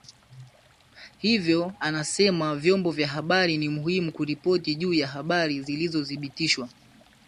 Hivyo anasema vyombo vya habari ni muhimu kuripoti juu ya habari zilizothbitishwa